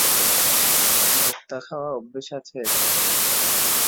দোক্তা খাওয়া অভ্যেস আছে?